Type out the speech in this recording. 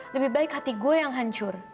lebih baik hati gue yang hancur